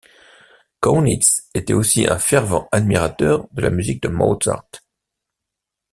Kaunitz était aussi un fervent admirateur de la musique de Mozart.